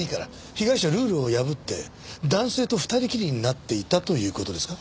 被害者はルールをやぶって男性と２人きりになっていたという事ですか？